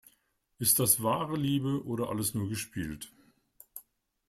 Ist es wahre Liebe oder alles nur gespielt?